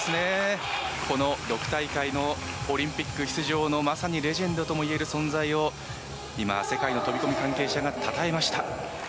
この６大会のオリンピック出場のまさにレジェンドともいえる存在を今、世界の飛込関係者がたたえました。